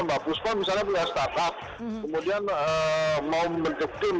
mbak puspa misalnya pilih startup kemudian mau mengeptim